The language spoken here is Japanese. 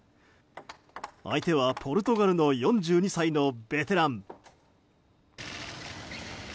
相手はポルトガルの４２歳のベテラン。